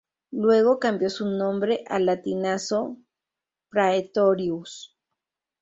Luego cambió su nombre al latinizado Praetorius.